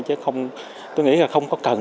chứ không tôi nghĩ là không có cần